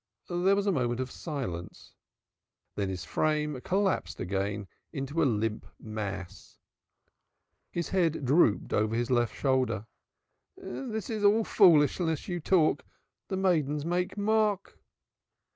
There was a moment of silence. Then his frame collapsed again into a limp mass. His head drooped over his left shoulder. "This is all foolishness you talk, the maidens make mock."